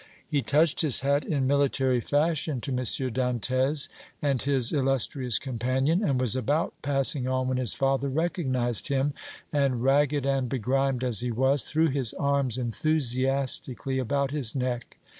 He touched his hat in military fashion to M. Dantès and his illustrious companion, and was about passing on when his father recognized him and, ragged and begrimed as he was, threw his arms enthusiastically about his neck.